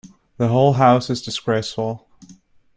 The whole house is disgraceful.